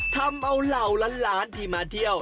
ทำเอาเหล่าล้านที่มาเที่ยว